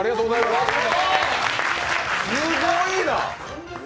すごいな！